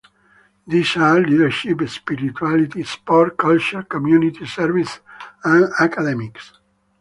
These are Leadership, Spirituality, Sport, Culture, Community Service and Academics.